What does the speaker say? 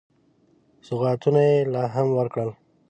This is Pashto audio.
سوغاتونه یې لا هم ورکړل.